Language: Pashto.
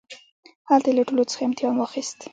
هلته يې له ټولوڅخه امتحان واخيست.